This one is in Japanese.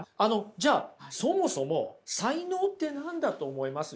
じゃあそもそも才能って何だと思います？